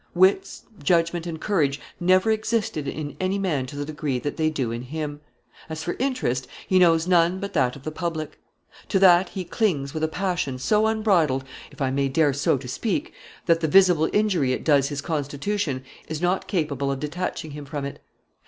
Wits, judgment, and courage never existed in any man to the degree that they do in him. As for interest, he knows none but that of the public. To that he clings with a passion so unbridled, if I may dare so to speak, that the visible injury it does his constitution is not capable of detaching him from it.